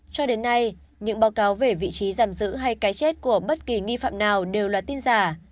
cho đến nay những báo cáo về vị trí giam giữ hay cái chết của bất kỳ nghi phạm nào đều là tin giả